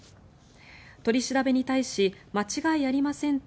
取り調べに対し間違いありませんと